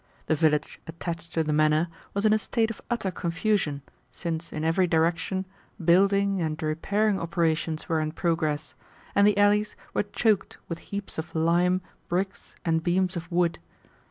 The village attached to the manor was in a state of utter confusion, since in every direction building and repairing operations were in progress, and the alleys were choked with heaps of lime, bricks, and beams of wood.